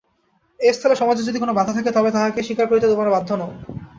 এ স্থলে সমাজে যদি কোনো বাধা থাকে তবে তাহাকে স্বীকার করিতে তোমরা বাধ্য নও।